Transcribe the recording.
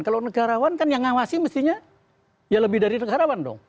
kalau negarawan kan yang ngawasi mestinya ya lebih dari negarawan dong